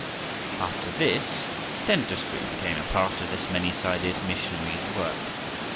After this, dentistry became a part of this many sided missionary's work.